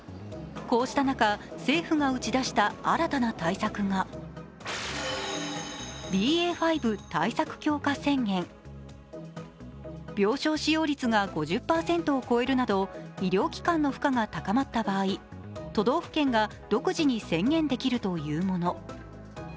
こうした中、政府が打ち出した新たな対策が病床使用率が５０％を超えるなど医療機関の負荷が高まった場合、都道府県が独自に宣言できるというもの。